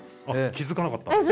あ気付かなかった？